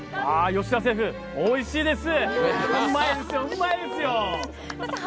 吉田シェフおいしいです！